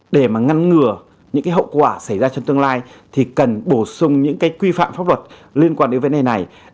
để mà ngăn ngừa những cái hậu quả xảy ra trong tương lai thì cần bổ sung những cái quy phạm pháp luật liên quan đến vấn đề này